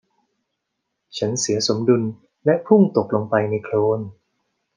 ฉันเสียสมดุลและพุ่งตกลงไปในโคลน